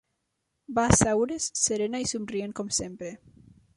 Va asseure's, serena i somrient com sempre